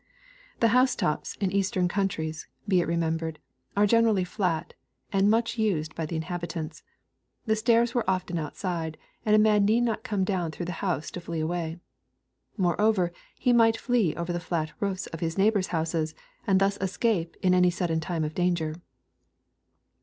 The house tops in Eastern countries, be it remembered, are generally flat, and much used by the inhabitants. The stairs were often outside, and a man need not come down through the house to flee away. Moreover he might flee over the flat roofs . of his neighbors* houses, and thus escape, in any sudden time of danger.